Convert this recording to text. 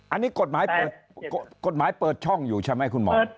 อันนี้กฎหมายกฎหมายเปิดช่องอยู่ใช่ไหมคุณหมอ